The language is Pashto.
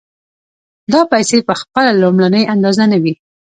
دا پیسې په خپله لومړنۍ اندازه نه وي